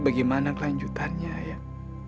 bagaimana kelanjutannya ayah